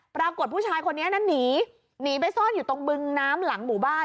ปรากฏว่าผู้ชายคนนี้นั้นหนีหนีไปซ่อนอยู่ตรงบึงน้ำหลังหมู่บ้าน